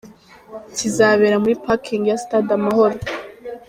Kizabera muri ‘Parking ya Stade Amahoro’.